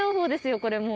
これもう。